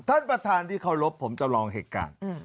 ท่านประธานที่เคารพผมจำลองเหตุการณ์